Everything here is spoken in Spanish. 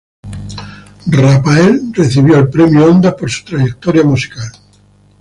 Raphael recibió el Premio Ondas por su trayectoria musical.